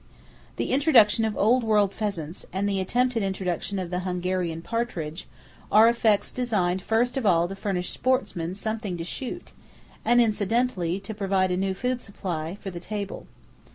The introduction of old world pheasants, and the attempted introduction of the Hungarian partridge, are efforts designed first of all to furnish sportsmen something to shoot, and incidentally to provide a new food supply for the table.